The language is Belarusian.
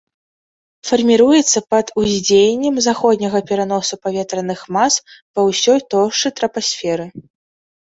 Фарміруецца пад уздзеяннем заходняга пераносу паветраных мас ва ўсёй тоўшчы трапасферы.